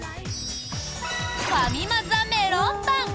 ファミマ・ザ・メロンパン。